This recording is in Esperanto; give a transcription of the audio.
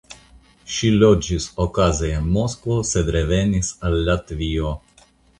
Ŝi loĝis okaze en Moskvo sed revenis al Latvio.